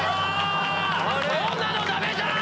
そんなのダメじゃん‼